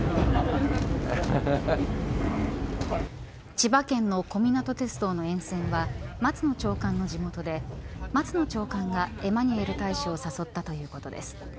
千葉県の小湊鉄道の沿線は松野長官の地元で松野長官がエマニュエル大使を誘ったということです。